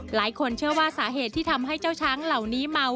หลายคนเชื่อว่าสาเหตุที่ทำให้เจ้าช้างเหล่านี้เมา